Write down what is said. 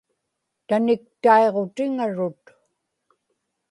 Taniktaiġutiŋarut